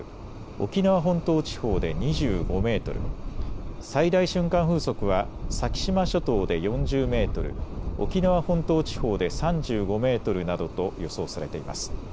沖縄本島地方で２５メートル、最大瞬間風速は先島諸島で４０メートル、沖縄本島地方で３５メートルなどと予想されています。